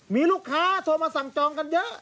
มีลูกค้าโทรมาสั่งจองกันเยอะ